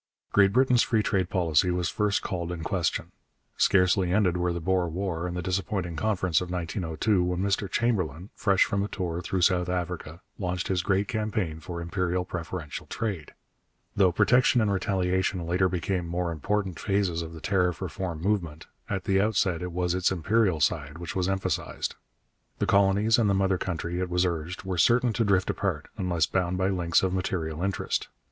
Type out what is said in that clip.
Great Britain's free trade policy was first called in question. Scarcely ended were the Boer War and the disappointing Conference of 1902 when Mr Chamberlain, fresh from a tour through South Africa, launched his great campaign for imperial preferential trade. Though protection and retaliation later became more important phases of the tariff reform movement, at the outset it was its imperial side which was emphasized. The colonies and the mother country, it was urged, were certain to drift apart unless bound by links of material interest.